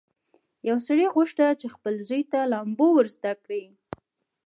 یو سړي غوښتل چې خپل زوی ته لامبو ور زده کړي.